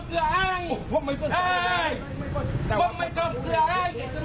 พุ่มไม่ซ้อมซึ้งซึ้ง